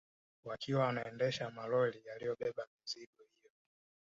Wakiwa wanaendesha malori yaliyobeba mizigo hiyo